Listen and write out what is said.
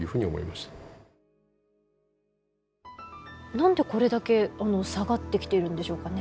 何でこれだけ下がってきているんでしょうかね？